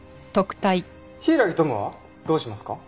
柊登夢はどうしますか？